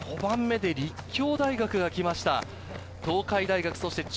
５番目で立教大学が来ました。